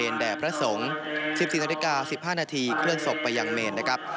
๕นาทีเครื่องศพไปยังเมนนะครับ